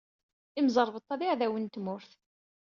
Imẓeṛbeṭṭa d iɛdawen n tmurt.